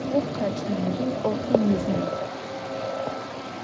Vugu kheç'ınıri 'ofım yizınıkhu.